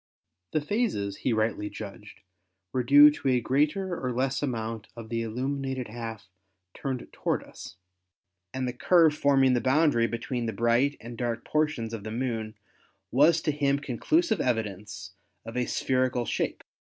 The phases, he rightly judged, were due to a greater or less amount of the illuminated half turned toward us, and the curve forming the boundary between the bright and dark portions of the Moon was to him conclusive evidence of a spherical shape.